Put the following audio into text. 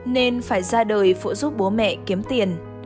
nên phải ra đời phụ giúp bố mẹ kiếm tiền